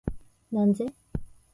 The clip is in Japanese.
なんぜ？